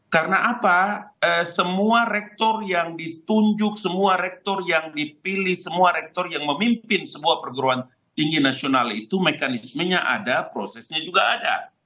karena apa semua rektor yang ditunjuk semua rektor yang dipilih semua rektor yang memimpin sebuah perguruan tinggi nasional itu mekanismenya ada prosesnya juga ada